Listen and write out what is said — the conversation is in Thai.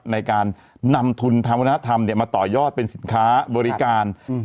ในการนำทุนทางวัฒนธรรมเนี่ยมาต่อยอดเป็นสินค้าบริการอืม